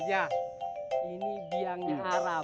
jah ini biangnya arab